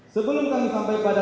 sebelum kami sampai pada